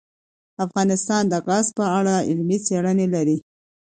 افغانستان د ګاز په اړه علمي څېړنې لري.